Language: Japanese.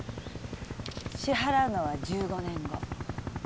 支払うのは１５年後。